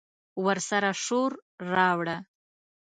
ورسره شور، راوړه